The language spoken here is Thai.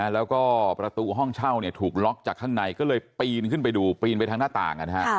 แล้วก็ประตูห้องเช่าถูกล็อกจากข้างในก็เลยปีนขึ้นไปดูปีนไปทางหน้าต่าง